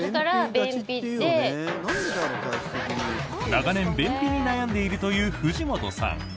長年、便秘に悩んでいるという藤本さん。